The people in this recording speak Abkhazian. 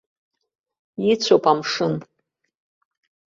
Ицәоуп амшын.